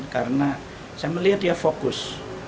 karena saya melihat dia fokus